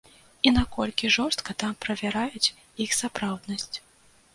І наколькі жорстка там правяраюць іх сапраўднасць.